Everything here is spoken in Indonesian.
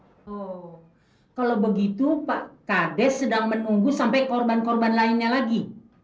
oh kalau begitu pak kades sedang menunggu sampai korban korban lainnya lagi